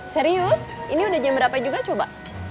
serius ini udah jam berapa juga coba